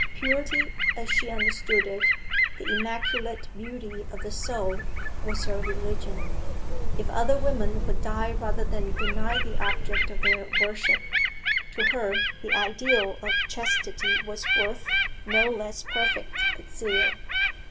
Purity, as she understood it the immaculate beauty of the soul was her religion: if other women would die rather than deny the object of their worship, to her the ideal of chastity was worth no less perfect a zeal.